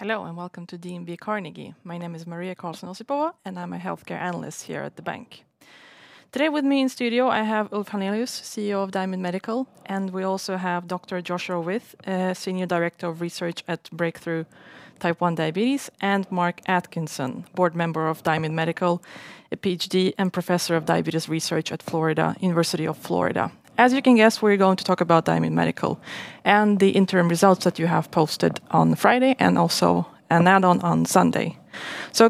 Hello, and welcome to DNB Carnegie. My name is Maria Carlsson-Osipova, and I'm a healthcare analyst here at the bank. Today with me in studio, I have Ulf Hannelius, CEO of Diamyd Medical, and we also have Dr. Joshua Vieth, a Senior Director of Research at Breakthrough T1D, and Mark Atkinson, board member of Diamyd Medical, a PhD and professor of diabetes research at the University of Florida. As you can guess, we're going to talk about Diamyd Medical and the interim results that you have posted on Friday and also an add-on on Sunday.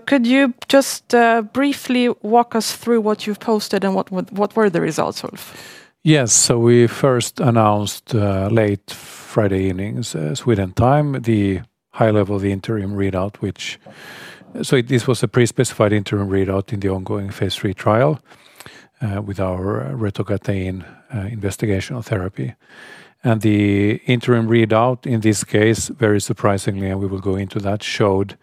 Could you just briefly walk us through what you've posted and what were the results, Ulf? Yes. We first announced late Friday evening, Sweden time, the high level of the interim readout. This was a pre-specified interim readout in the ongoing phase III trial with our retogatein investigational therapy. The interim readout in this case, very surprisingly, and we will go into that, showed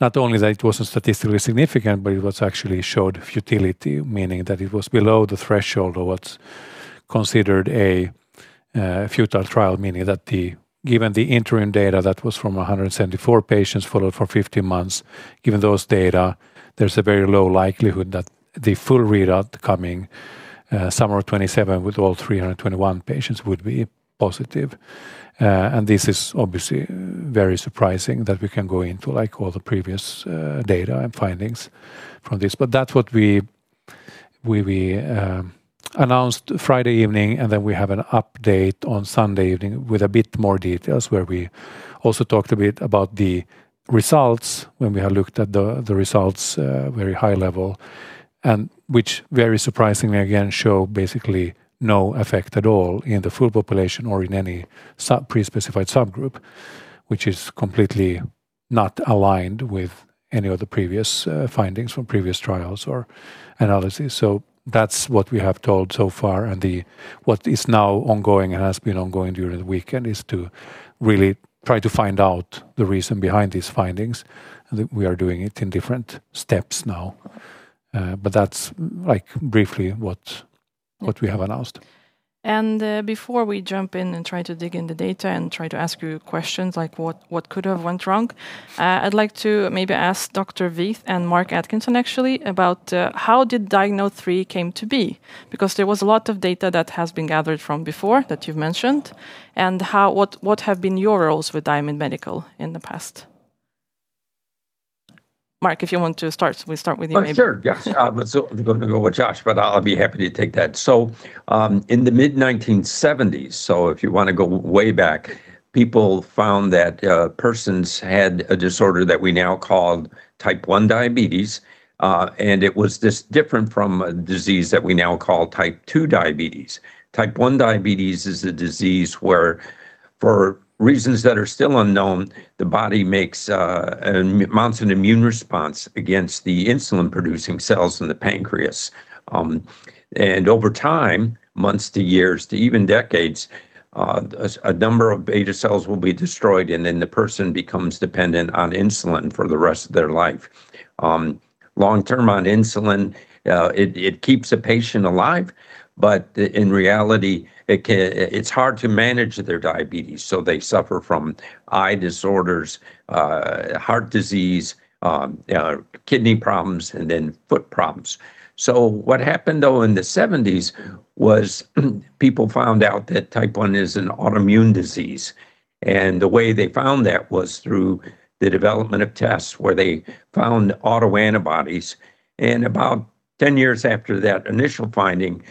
not only that it wasn't statistically significant, but it actually showed futility, meaning that it was below the threshold of what's considered a futile trial, meaning that given the interim data that was from 174 patients followed for 50 months, given those data, there's a very low likelihood that the full readout coming summer of 2027 with all 321 patients would be positive. This is obviously very surprising that we can go into, like, all the previous data and findings from this. That's what we announced Friday evening, and we have an update on Sunday evening with a bit more details where we also talked a bit about the results when we have looked at the results very high level, which very surprisingly again show basically no effect at all in the full population or in any pre-specified subgroup, which is completely not aligned with any of the previous findings from previous trials or analysis. That's what we have told so far, and what is now ongoing and has been ongoing during the weekend is to really try to find out the reason behind these findings, and we are doing it in different steps now. That's, like, briefly what we have announced. Thank you. Before we jump in and try to dig in the data and try to ask you questions like what could have went wrong, I'd like to maybe ask Dr. Vieth and Mark Atkinson actually about how DIAGNODE-3 came to be, because there was a lot of data that has been gathered from before that you've mentioned, and what have been your roles with Diamyd Medical in the past? Mark, if you want to start, we start with you maybe. Oh, sure. Yes. Going to go with Josh, but I'll be happy to take that. In the mid-1970s, if you wanna go way back, people found that persons had a disorder that we now call type 1 diabetes, and it's different from a disease that we now call type 2 diabetes. Type 1 diabetes is a disease where for reasons that are still unknown, the body mounts an immune response against the insulin-producing cells in the pancreas. Over time, months to years to even decades, a number of beta cells will be destroyed, and then the person becomes dependent on insulin for the rest of their life. Long-term on insulin, it keeps a patient alive, but in reality it's hard to manage their diabetes, so they suffer from eye disorders, heart disease, kidney problems, and foot problems. What happened though in the 1970s was people found out that type 1 is an autoimmune disease, and the way they found that was through the development of tests where they found autoantibodies. About 10 years after that initial finding,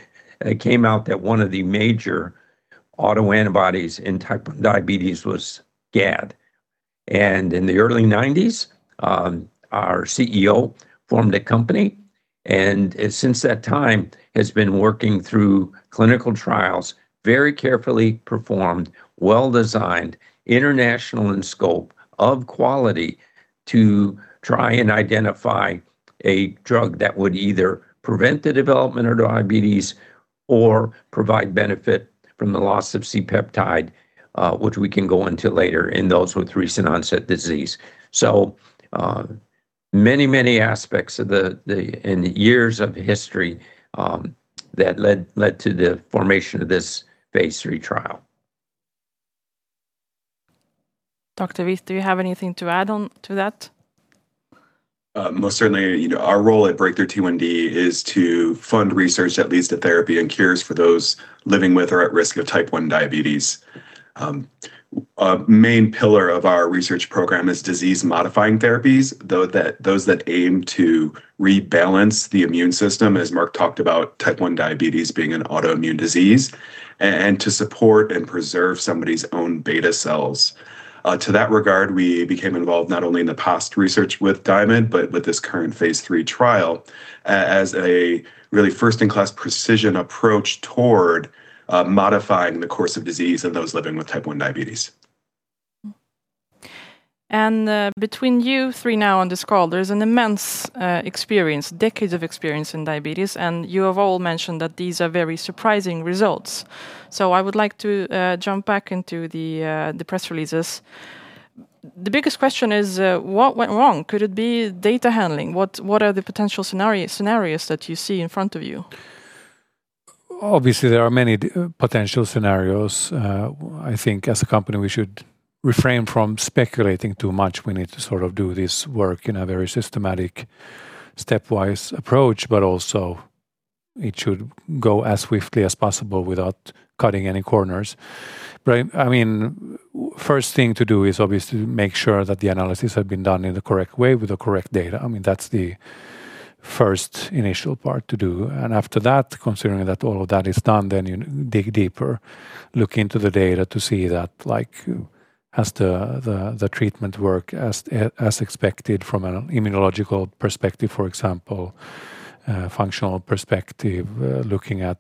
it came out that one of the major autoantibodies in type 1 diabetes was GAD. In the early 90s, our CEO formed a company, and since that time has been working through clinical trials, very carefully performed, well designed, international in scope, of quality to try and identify a drug that would either prevent the development of diabetes or provide benefit from the loss of C-peptide, which we can go into later, in those with recent onset disease. Many aspects of the and years of history that led to the formation of this phase III trial. Dr. Vieth, do you have anything to add on to that? Most certainly. You know, our role at Breakthrough T1D is to fund research that leads to therapy and cures for those living with or at risk of type 1 diabetes. A main pillar of our research program is disease-modifying therapies, those that aim to rebalance the immune system, as Mark talked about type 1 diabetes being an autoimmune disease, and to support and preserve somebody's own beta cells. To that regard, we became involved not only in the past research with Diamyd, but with this current phase III trial as a really first-in-class precision approach toward modifying the course of disease in those living with type 1 diabetes. Between you three now on this call, there's an immense experience, decades of experience in diabetes, and you have all mentioned that these are very surprising results. I would like to jump back into the press releases. The biggest question is, what went wrong? Could it be data handling? What are the potential scenarios that you see in front of you? Obviously, there are many potential scenarios. I think as a company, we should refrain from speculating too much. We need to sort of do this work in a very systematic stepwise approach, but also it should go as swiftly as possible without cutting any corners. I mean, first thing to do is obviously make sure that the analysis had been done in the correct way with the correct data. I mean, that's the first initial part to do. After that, considering that all of that is done, then you dig deeper, look into the data to see that, like, has the treatment worked as expected from an immunological perspective, for example, functional perspective, looking at,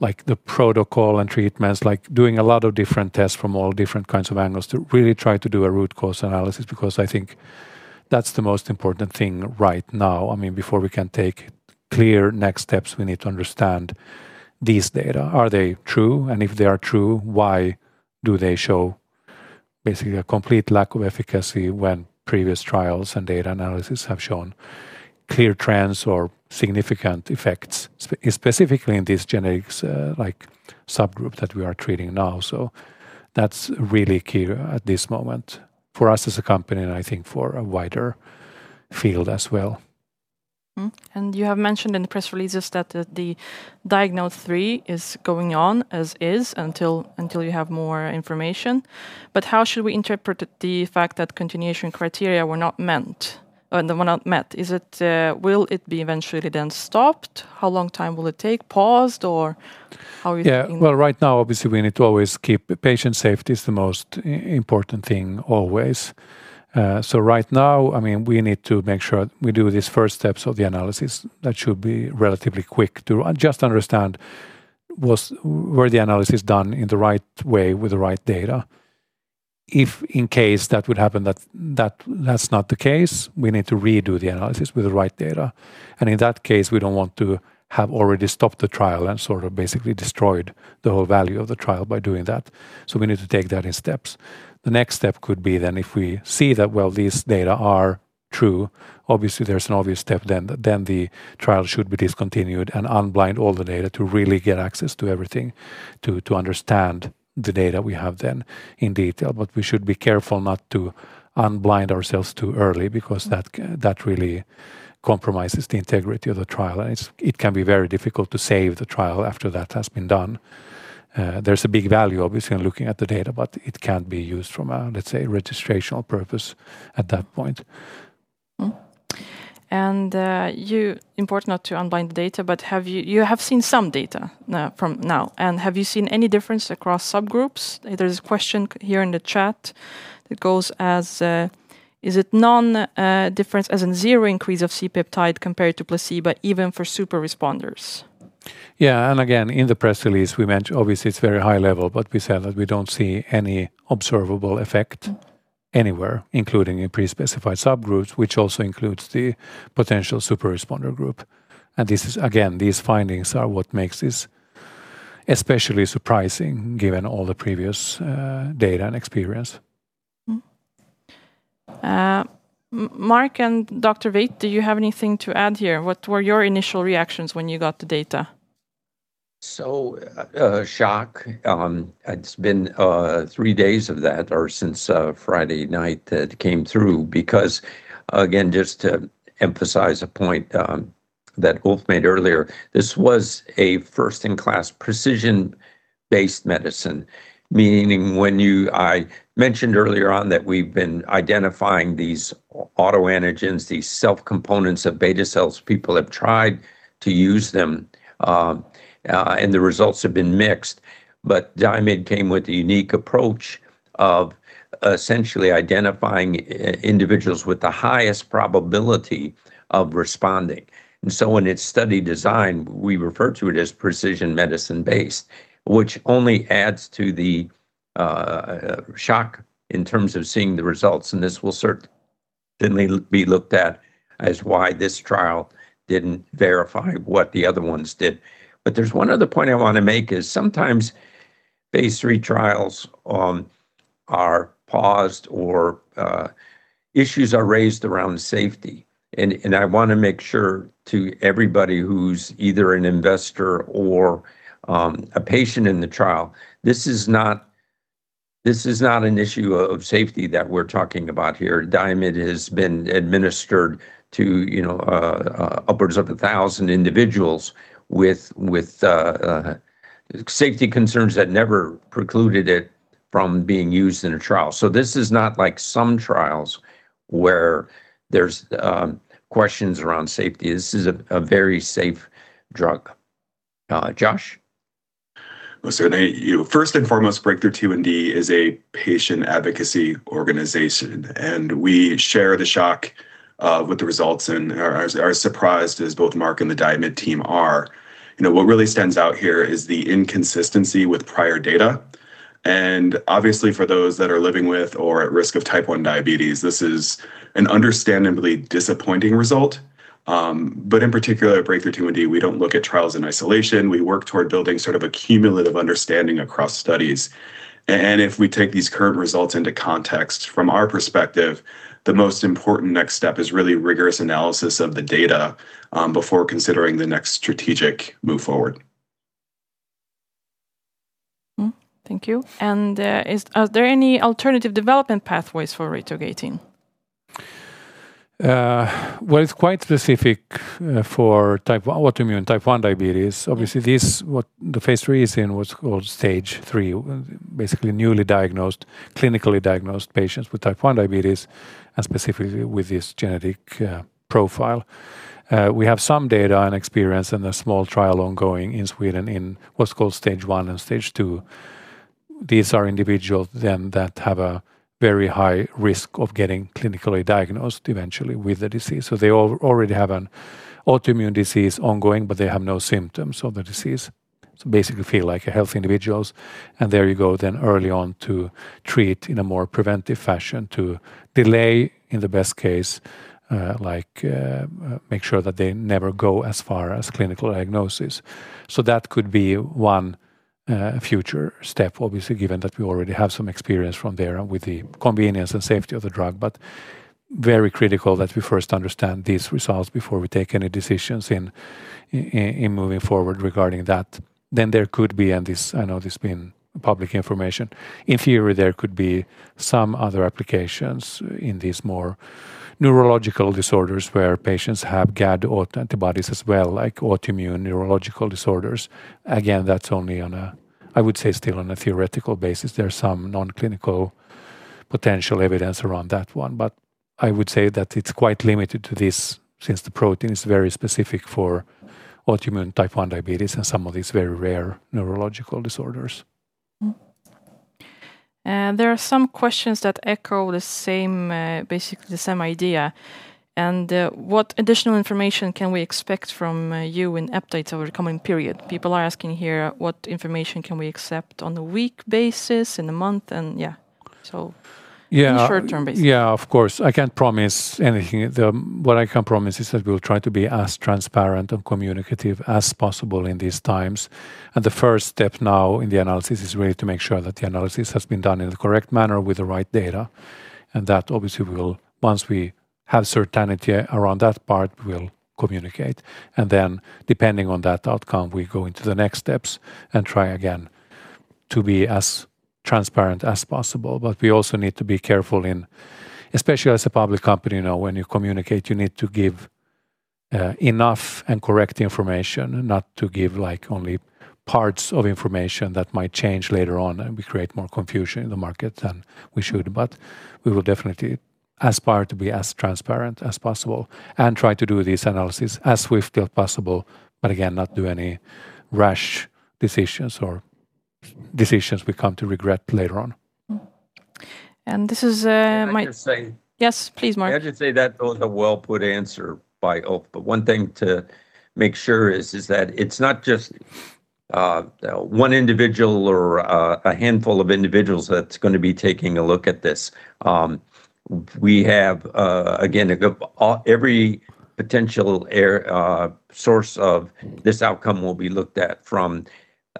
like, the protocol and treatments, like doing a lot of different tests from all different kinds of angles to really try to do a root cause analysis because I think that's the most important thing right now. I mean, before we can take clear next steps, we need to understand these data. Are they true? If they are true, why do they show basically a complete lack of efficacy when previous trials and data analysis have shown clear trends or significant effects specifically in these genetics, like, subgroup that we are treating now. That's really key at this moment for us as a company, and I think for a wider field as well. You have mentioned in the press releases that the DIAGNODE-3 is going on as is until you have more information. How should we interpret the fact that continuation criteria were not met? Is it, will it be eventually then stopped? How long time will it take? Paused or how are you thinking? Yeah. Well, right now, obviously, we need to always keep the patient safety the most important thing always. Right now, I mean, we need to make sure we do these first steps of the analysis. That should be relatively quick to just understand were the analysis done in the right way with the right data. If in case that would happen that's not the case, we need to redo the analysis with the right data. In that case, we don't want to have already stopped the trial and sort of basically destroyed the whole value of the trial by doing that. We need to take that in steps. The next step could be then if we see that, well, these data are true, obviously, there's an obvious step then. The trial should be discontinued and unblind all the data to really get access to everything, to understand the data we have then in detail. We should be careful not to unblind ourselves too early because that really compromises the integrity of the trial, and it can be very difficult to save the trial after that has been done. There's a big value, obviously, in looking at the data, but it can't be used from a, let's say, registrational purpose at that point. You mentioned not to unblind the data, but have you seen some data now, and have you seen any difference across subgroups? There's a question here in the chat that goes as, "Is it no difference as in zero increase of C-peptide compared to placebo even for super responders? Yeah. Again, in the press release, we mentioned, obviously, it's very high level, but we said that we don't see any observable effect anywhere, including in pre-specified subgroups, which also includes the potential super responder group. Again, these findings are what makes this especially surprising given all the previous data and experience. Mark and Dr. Vieth, do you have anything to add here? What were your initial reactions when you got the data? Shock. It's been three days of that or since Friday night that came through because again, just to emphasize a point that Ulf made earlier, this was a first-in-class precision-based medicine, meaning I mentioned earlier on that we've been identifying these autoantigens, these self components of beta cells. People have tried to use them and the results have been mixed. Diamyd came with a unique approach of essentially identifying individuals with the highest probability of responding. In its study design, we refer to it as precision medicine-based, which only adds to the shock in terms of seeing the results, and this will certainly be looked at as why this trial didn't verify what the other ones did. There's one other point I wanna make is sometimes phase III trials are paused or issues are raised around safety and I wanna make sure to everybody who's either an investor or a patient in the trial, this is not an issue of safety that we're talking about here. Diamyd has been administered to, you know, upwards of 1,000 individuals with safety concerns that never precluded it from being used in a trial. So this is not like some trials where there's questions around safety. This is a very safe drug. Josh? Well, certainly, you know, first and foremost, Breakthrough T1D is a patient advocacy organization, and we share the shock with the results and are as surprised as both Mark and the Diamyd team are. You know, what really stands out here is the inconsistency with prior data. Obviously, for those that are living with or at risk of type 1 diabetes, this is an understandably disappointing result. But in particular at Breakthrough T1D, we don't look at trials in isolation. We work toward building sort of a cumulative understanding across studies. If we take these current results into context, from our perspective, the most important next step is really rigorous analysis of the data before considering the next strategic move forward. Thank you. Are there any alternative development pathways for? Well, it's quite specific for autoimmune type 1 diabetes. Mm-hmm. Obviously, this is what the phase III is in what's called Stage 3, basically newly diagnosed, clinically diagnosed patients with type 1 diabetes and specifically with this genetic profile. We have some data and experience in a small trial ongoing in Sweden in what's called Stage 1 and Stage 2. These are individuals then that have a very high risk of getting clinically diagnosed eventually with the disease. They already have an autoimmune disease ongoing, but they have no symptoms of the disease. Basically feel like healthy individuals. There you go then early on to treat in a more preventive fashion to delay, in the best case, like, make sure that they never go as far as clinical diagnosis. That could be one future step, obviously, given that we already have some experience from there with the convenience and safety of the drug. Very critical that we first understand these results before we take any decisions in moving forward regarding that. There could be, I know this has been public information. In theory, there could be some other applications in these more neurological disorders where patients have GAD autoantibodies as well, like autoimmune neurological disorders. Again, that's only on a, I would say, still on a theoretical basis. There's some non-clinical potential evidence around that one. But I would say that it's quite limited to this since the protein is very specific for autoimmune type 1 diabetes and some of these very rare neurological disorders. There are some questions that echo the same, basically the same idea. What additional information can we expect from you in updates over the coming period? People are asking here, what information can we expect on a weekly basis, in a month. Yeah. On a short-term basis. Yeah, of course. I can't promise anything. What I can promise is that we'll try to be as transparent and communicative as possible in these times. The first step now in the analysis is really to make sure that the analysis has been done in the correct manner with the right data, and that obviously we will, once we have certainty around that part, we'll communicate. Then depending on that outcome, we go into the next steps and try again to be as transparent as possible. We also need to be careful in, especially as a public company now, when you communicate, you need to give enough and correct information, not to give, like, only parts of information that might change later on and we create more confusion in the market than we should. We will definitely aspire to be as transparent as possible and try to do this analysis as swift as possible, but again, not do any rash decisions or decisions we come to regret later on. Mm-hmm. This is my- Can I just say. Yes, please, Mark. I should say that was a well-put answer by Ulf. One thing to make sure is that it's not just one individual or a handful of individuals that's gonna be taking a look at this. Every potential source of this outcome will be looked at.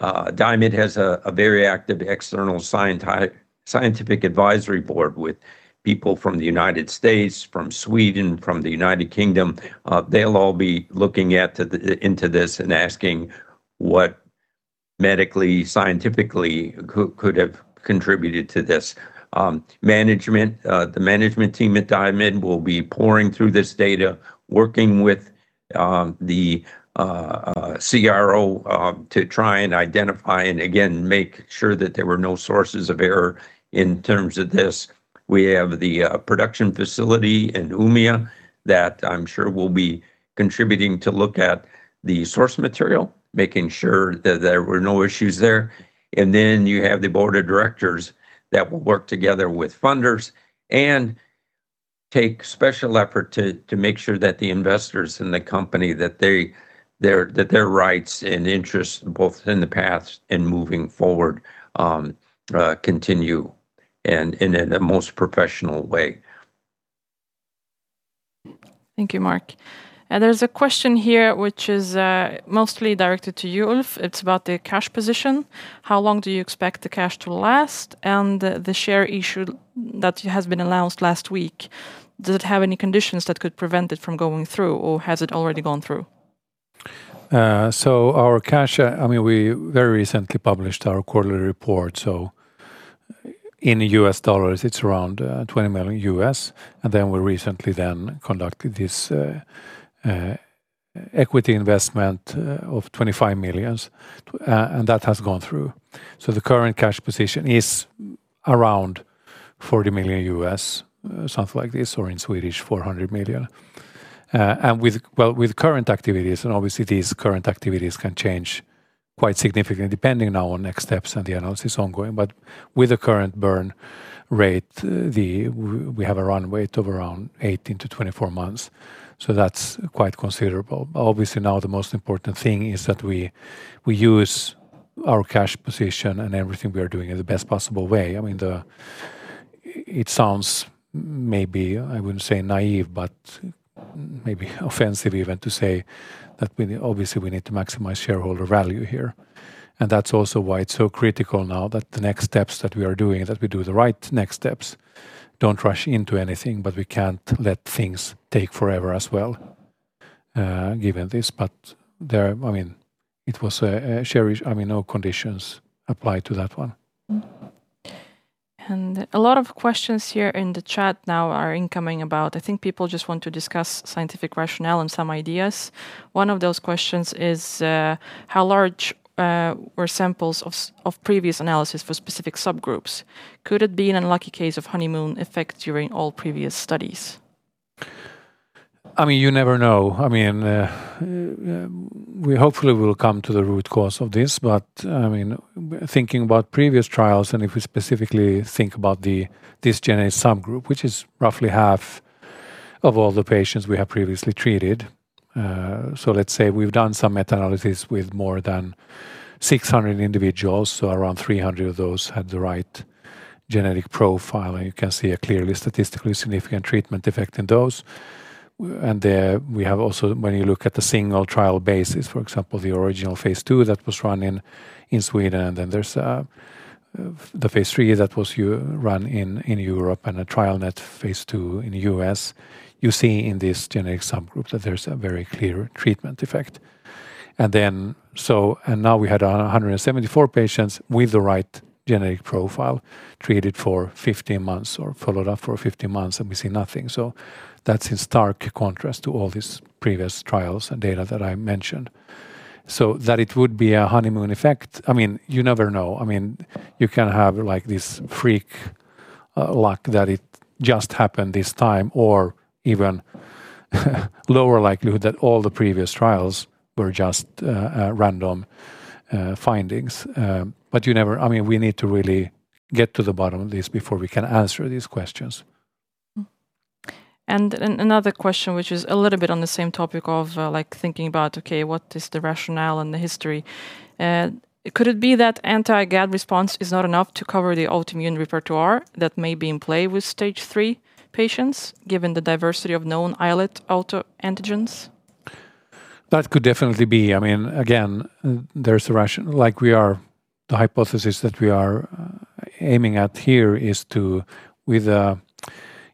Diamyd has a very active external scientific advisory board with people from the United States, from Sweden, from the United Kingdom. They'll all be looking into this and asking what medically, scientifically could have contributed to this. The management team at Diamyd will be poring through this data, working with the CRO to try and identify and again make sure that there were no sources of error in terms of this. We have the production facility in Umeå that I'm sure will be contributing to look at the source material, making sure that there were no issues there. You have the board of directors that will work together with funders and take special effort to make sure that the investors in the company, that their rights and interests both in the past and moving forward continue and in a most professional way. Thank you, Mark. There's a question here which is mostly directed to you, Ulf. It's about the cash position. How long do you expect the cash to last? The share issue that has been announced last week, does it have any conditions that could prevent it from going through, or has it already gone through? Our cash, I mean, we very recently published our quarterly report. In U.S. dollars, it's around $20 million. We recently conducted this equity investment of $25 million, and that has gone through. The current cash position is around $40 million, something like this, or in Swedish, 400 million. With current activities, well, obviously these current activities can change quite significantly depending now on next steps and the analysis ongoing. With the current burn rate, we have a run rate of around 18-24 months, so that's quite considerable. Obviously, now the most important thing is that we use our cash position and everything we are doing in the best possible way. I mean, it sounds maybe. I wouldn't say naive, but maybe offensive even to say that we obviously need to maximize shareholder value here. That's also why it's so critical now that the next steps that we are doing, that we do the right next steps. Don't rush into anything, but we can't let things take forever as well, given this. I mean, it was a share. I mean, no conditions apply to that one. A lot of questions here in the chat now are incoming about. I think people just want to discuss scientific rationale and some ideas. One of those questions is, how large were samples of previous analysis for specific subgroups? Could it be an unlucky case of honeymoon effect during all previous studies? I mean, you never know. I mean, we hopefully will come to the root cause of this. I mean, thinking about previous trials and if we specifically think about this genetic subgroup, which is roughly half of all the patients we have previously treated. So let's say we've done some meta-analysis with more than 600 individuals, so around 300 of those had the right genetic profile, and you can see a clearly statistically significant treatment effect in those. And we have also when you look at the single trial basis, for example, the original phase II that was run in Sweden, and the phase III that was run in Europe and a TrialNet phase II in the U.S. You see in this genetic subgroup that there's a very clear treatment effect. Now we had 174 patients with the right genetic profile treated for 15 months or followed up for 15 months, and we see nothing. That's in stark contrast to all these previous trials and data that I mentioned. That it would be a honeymoon effect, I mean, you never know. I mean, you can have like this freak luck that it just happened this time or even lower likelihood that all the previous trials were just random findings. I mean, we need to really get to the bottom of this before we can answer these questions. Another question which is a little bit on the same topic of, like thinking about, okay, what is the rationale and the history? Could it be that anti-GAD response is not enough to cover the autoimmune repertoire that may be in play with Stage 3 patients, given the diversity of known islet autoantigens? That could definitely be. I mean, again, the hypothesis that we are aiming at here is to, with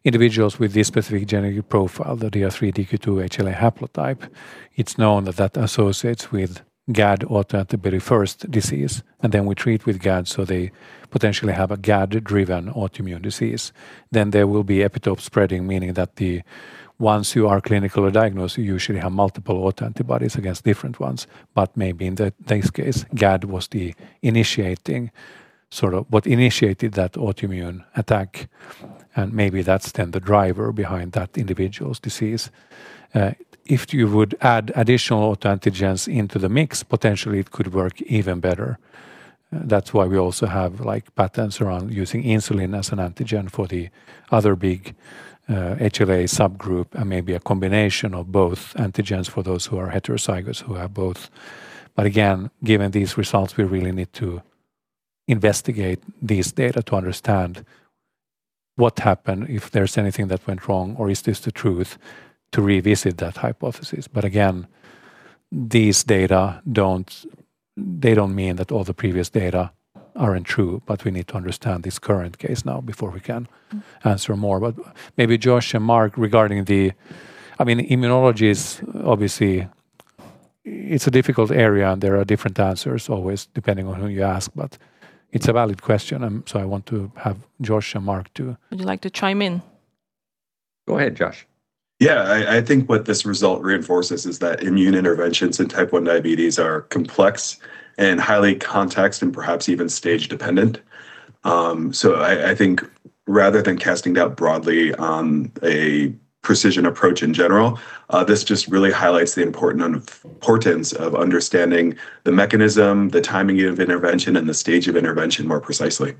individuals with this specific genetic profile, the DR3-DQ2 HLA haplotype, it's known that that associates with GAD autoantibody first disease. We treat with GAD, so they potentially have a GAD-driven autoimmune disease. There will be epitope spreading, meaning that the ones who are clinically diagnosed usually have multiple autoantibodies against different ones. Maybe in this case, GAD was the initiating, sort of what initiated that autoimmune attack, and maybe that's then the driver behind that individual's disease. If you would add additional autoantigens into the mix, potentially it could work even better. That's why we also have like patterns around using insulin as an antigen for the other big HLA subgroup and maybe a combination of both antigens for those who are heterozygous, who have both. Again, given these results, we really need to investigate this data to understand what happened, if there's anything that went wrong, or is this the truth, to revisit that hypothesis. Again, these data don't they don't mean that all the previous data aren't true, but we need to understand this current case now before we can answer more. Maybe Josh and Mark, regarding, I mean, immunology is obviously a difficult area, and there are different answers always depending on who you ask, but it's a valid question. I want to have Josh and Mark to- Would you like to chime in? Go ahead, Josh. Yeah. I think what this result reinforces is that immune interventions in type 1 diabetes are complex and highly context and perhaps even stage dependent. I think rather than casting out broadly on a precision approach in general, this just really highlights the importance of understanding the mechanism, the timing of intervention, and the stage of intervention more precisely.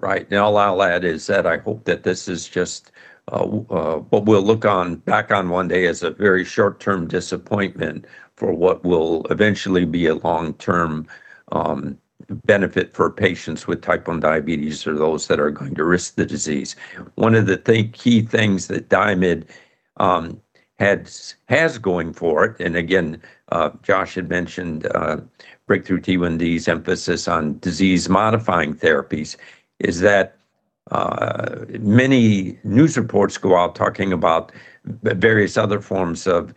Right. Now all I'll add is that I hope that this is just what we'll look back on one day as a very short-term disappointment for what will eventually be a long-term benefit for patients with type 1 diabetes or those that are going to risk the disease. One of the key things that Diamyd has going for it, and again, Josh had mentioned, Breakthrough T1D's emphasis on disease-modifying therapies, is that many news reports go out talking about various other forms of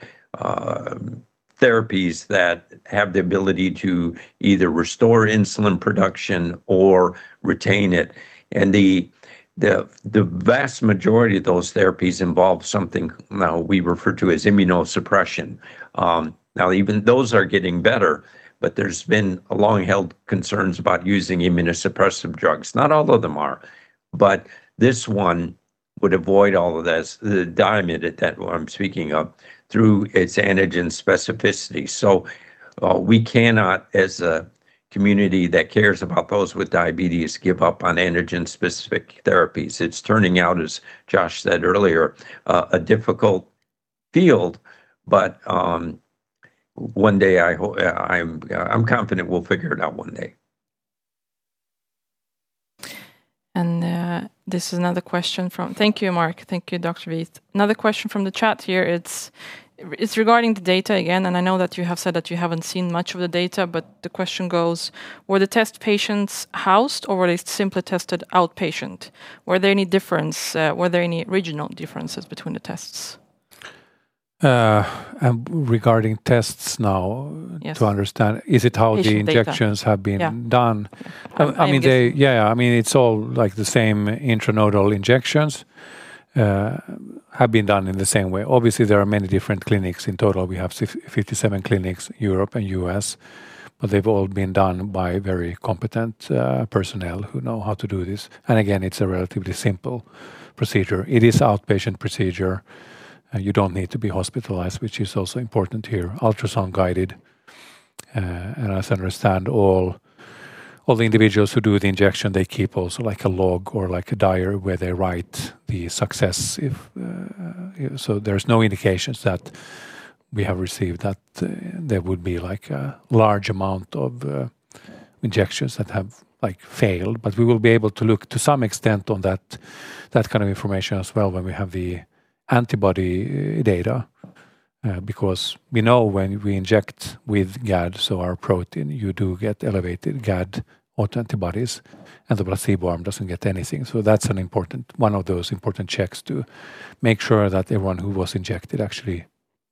therapies that have the ability to either restore insulin production or retain it. The vast majority of those therapies involve something now we refer to as immunosuppression. Now even those are getting better, but there's been long-held concerns about using immunosuppressive drugs. Not all of them are, but this one would avoid all of this, the Diamyd that I'm speaking of, through its antigen specificity. We cannot, as a community that cares about those with diabetes, give up on antigen-specific therapies. It's turning out, as Joshua said earlier, a difficult field, but one day I'm confident we'll figure it out one day. Thank you, Mark. Thank you, Dr. Vieth. Another question from the chat here, it's regarding the data again, and I know that you have said that you haven't seen much of the data, but the question goes: Were the test patients housed or were they simply tested outpatient? Were there any regional differences between the tests? Regarding tests now- Yes ...to understand, is it how the- Patient data injections have been done? Yeah. I mean they- And this- I mean, it's all, like, the same intranodal injections have been done in the same way. Obviously, there are many different clinics. In total, we have 57 clinics, Europe and U.S., but they've all been done by very competent personnel who know how to do this. It's a relatively simple procedure. It is outpatient procedure. You don't need to be hospitalized, which is also important here. Ultrasound-guided, and as I understand, all the individuals who do the injection, they keep also, like, a log or, like, a diary where they write the success if. There's no indications that we have received that there would be, like, a large amount of injections that have, like, failed. We will be able to look to some extent on that kind of information as well when we have the antibody data, because we know when we inject with GAD, so our protein, you do get elevated GAD autoantibodies, and the placebo arm doesn't get anything. That's an important one of those important checks to make sure that everyone who was injected actually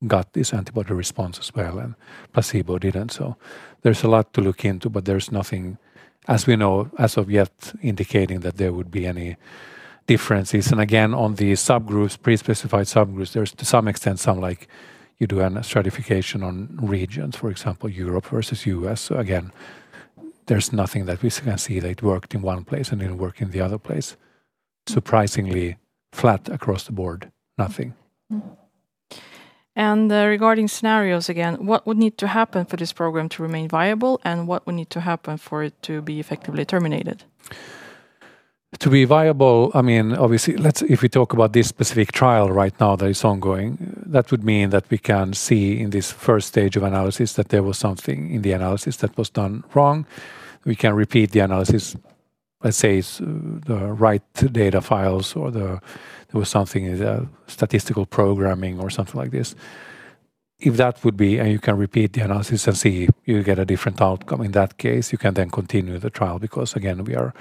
got this antibody response as well, and placebo didn't. There's a lot to look into, but there's nothing, as we know, as of yet indicating that there would be any differences. Again, on the subgroups, pre-specified subgroups, there's to some extent some, like, you do a stratification on regions, for example, Europe versus U.S. Again, there's nothing that we can see that worked in one place and didn't work in the other place. Surprisingly flat across the board. Nothing. Regarding scenarios again, what would need to happen for this program to remain viable, and what would need to happen for it to be effectively terminated? To be viable, I mean, obviously, let's if we talk about this specific trial right now that is ongoing, that would mean that we can see in this first stage of analysis that there was something in the analysis that was done wrong. We can repeat the analysis, let's say the right data files or there was something in the statistical programming or something like this. If that would be, and you can repeat the analysis and see you get a different outcome, in that case, you can then continue the trial because, again, we are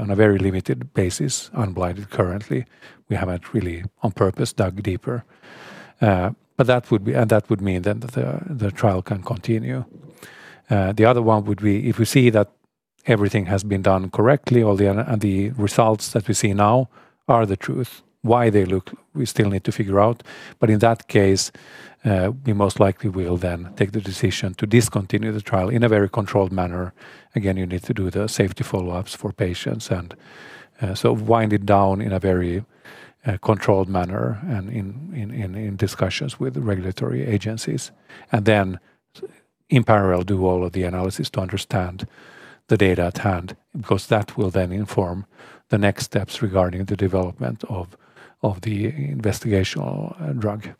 on a very limited basis, unblinded currently. We haven't really on purpose dug deeper. But that would be and that would mean then that the trial can continue. The other one would be if we see that everything has been done correctly or the results that we see now are the truth, why they look, we still need to figure out. In that case, we most likely will then take the decision to discontinue the trial in a very controlled manner. Again, you need to do the safety follow-ups for patients and so wind it down in a very controlled manner and in discussions with regulatory agencies. Then in parallel, do all of the analysis to understand the data at hand because that will then inform the next steps regarding the development of the investigational drug.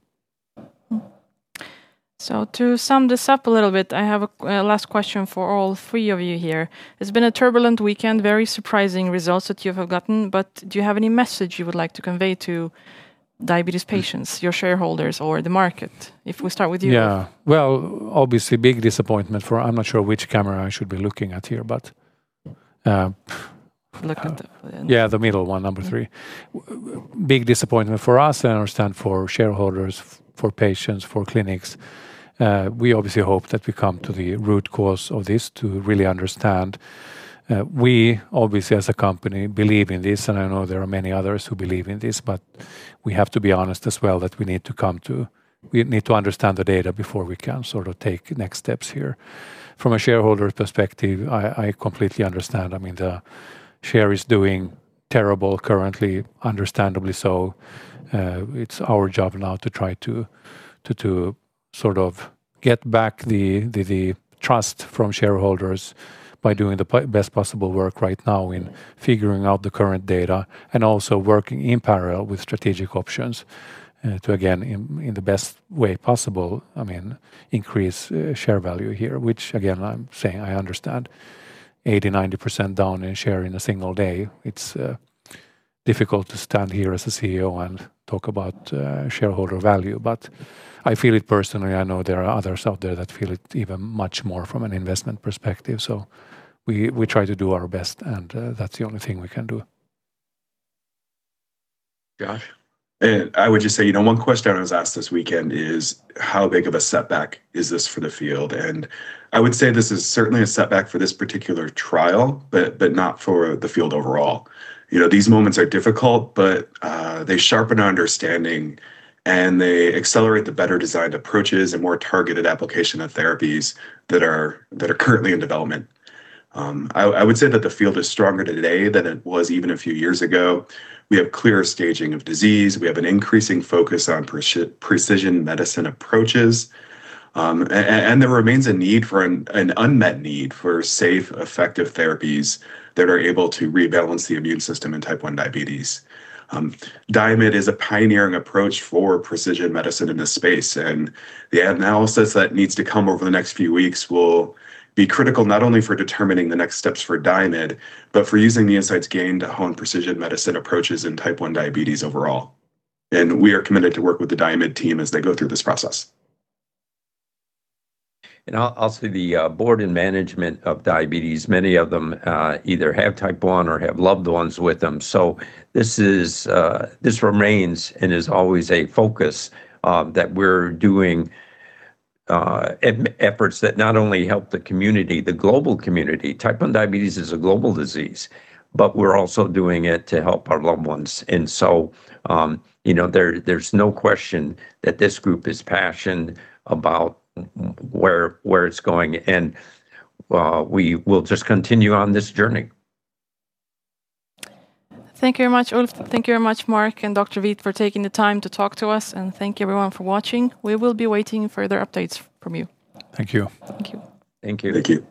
To sum this up a little bit, I have a last question for all three of you here. It's been a turbulent weekend, very surprising results that you have gotten, but do you have any message you would like to convey to diabetes patients, your shareholders, or the market? If we start with you. Yeah. Well, obviously big disappointment. I'm not sure which camera I should be looking at here, but- Look at the- ...yeah, the middle one, number three. Big disappointment for us, and I understand for shareholders, for patients, for clinics. We obviously hope that we come to the root cause of this to really understand. We obviously, as a company, believe in this, and I know there are many others who believe in this, but we have to be honest as well that we need to understand the data before we can sort of take next steps here. From a shareholder perspective, I completely understand. I mean, the share is doing terrible currently, understandably so. It's our job now to try to sort of get back the trust from shareholders by doing the best possible work right now in figuring out the current data and also working in parallel with strategic options to again in the best way possible, I mean, increase share value here, which, again, I'm saying I understand 80%-90% down in share in a single day. It's difficult to stand here as a CEO and talk about shareholder value, but I feel it personally. I know there are others out there that feel it even much more from an investment perspective. We try to do our best, and that's the only thing we can do. Josh? I would just say, you know, one question I was asked this weekend is: How big of a setback is this for the field? I would say this is certainly a setback for this particular trial, but not for the field overall. You know, these moments are difficult, but they sharpen our understanding, and they accelerate the better designed approaches and more targeted application of therapies that are currently in development. I would say that the field is stronger today than it was even a few years ago. We have clearer staging of disease. We have an increasing focus on precision medicine approaches. There remains a need for an unmet need for safe, effective therapies that are able to rebalance the immune system in type 1 diabetes. Diamyd is a pioneering approach for precision medicine in this space, and the analysis that needs to come over the next few weeks will be critical not only for determining the next steps for Diamyd, but for using the insights gained to hone precision medicine approaches in type 1 diabetes overall. We are committed to work with the Diamyd team as they go through this process. I'll say the board and management of Diamyd, many of them either have type 1 or have loved ones with type 1. This remains and is always a focus that we're doing efforts that not only help the community, the global community, type 1 diabetes is a global disease, but we're also doing it to help our loved ones. You know, there's no question that this group is passionate about where it's going, and we will just continue on this journey. Thank you very much, Ulf. Thank you very much, Mark and Dr. Vieth, for taking the time to talk to us, and thank you everyone for watching. We will be waiting for further updates from you. Thank you. Thank you. Thank you. Thank you.